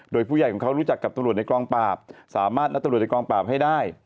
โดยผู้ใหญ่ของเขารู้จักกับตำรวจในกองปราบสามารถนัดตำรวจในกองปราบให้ได้